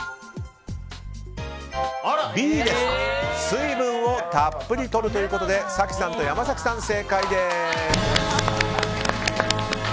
水分をたっぷりとるということで早紀さんと山崎さん、正解です。